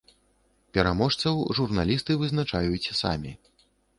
Пераможцаў журналісты вызначаюць самі.